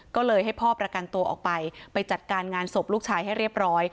ก็เลยให้พ่อประกันตัวออกไปไปจัดการงานศพลูกชายให้เรียบร้อย